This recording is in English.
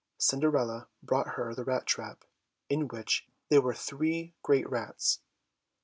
Cinderella brought her the rat trap, in which there were three great rats.